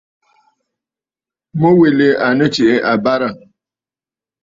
Mû wilì à nɨ tsiʼ ì àbə̀rə̀.